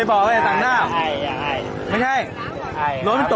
และหลังสร้างแรงได้ไฟรถอาวุธ